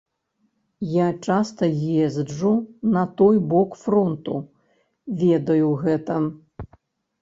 Я часта езджу на той бок фронту, ведаю гэта.